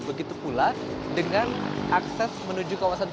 begitu pula dengan akses menuju kawasan